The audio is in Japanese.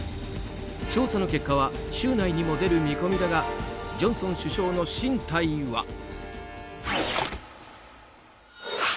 調査の結果は週内にも出る見込みだがジョンソン首相の進退は。